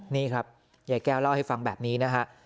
นี่ครับยายแก้วเล่าให้ฟังแบบนี้นะฮะ